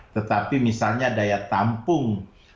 tetapi misalnya daya tampung